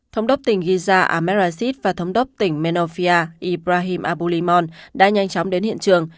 thống đốc tỉnh giza ahmedrasit và thống đốc tỉnh menofia ibrahim abulimon đã nhanh chóng đến hiện trường